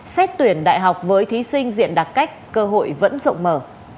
xét tuyển đại học với thí sinh diện đặc cách cơ hội vẫn rộng mở